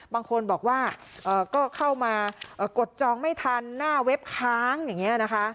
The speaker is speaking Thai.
บางคนบอกว่าก็เข้ามากดจองไม่ทันหน้าเว็บค้างอย่างนี้นะคะ